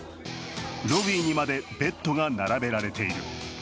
ロビーにまでベッドが並べられている。